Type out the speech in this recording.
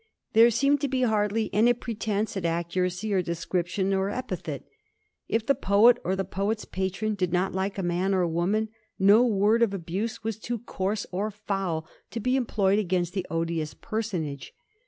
There seemed to be hardly any pretence at accuracy of description or epithet. If the poet or the poet's patron did not like a man or woman, no word of abuse was too coarse or foul to be employed against the odious personage.